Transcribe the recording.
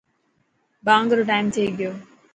ٻانگ رو ٽائيم ٿي گيو.